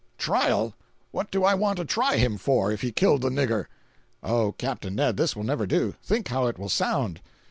"Trial! What do I want to try him for, if he killed the nigger?" "Oh, Capt. Ned, this will never do. Think how it will sound."